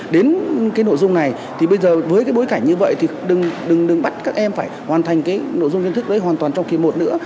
đến cái nội dung này thì bây giờ với cái bối cảnh như vậy thì đừng bắt các em phải hoàn thành cái nội dung kiến thức đấy hoàn toàn trong kỳ một nữa